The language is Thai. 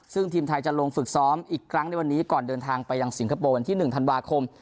ซึ่งทีมไทยจะลงฝึกซ้อมอีกครั้งในวันนี้ก่อนเดินทางไปยังสิงคโปร์วันที่๑ธันวาคม